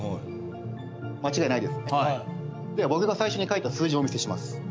では僕が最初に書いた数字をお見せします。